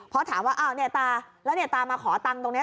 พอถามว่าแล้วตามาขอตังค์ตรงนี้